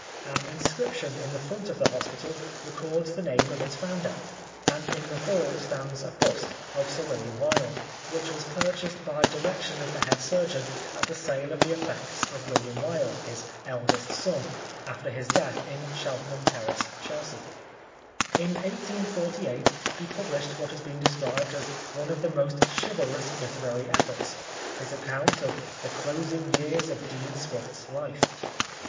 An inscription in the front of the hospital records the name of its founder, and in the hall stands a bust of Sir William Wilde, which was purchased by direc tion of the head surgeon at the sale of the effects of William Wilde, his eldest son, after his death in Cheltenham Terrace, Chelsea. In 1848 he pubhshed what has been described as " one of the most chivalous literary efforts," his account of " The Closing Years of Dean Swift's Life."